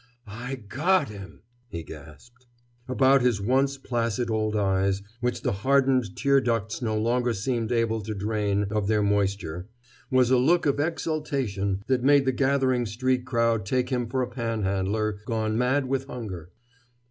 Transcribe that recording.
"I got him!" he gasped. About his once placid old eyes, which the hardened tear ducts no longer seemed able to drain of their moisture, was a look of exultation that made the gathering street crowd take him for a panhandler gone mad with hunger.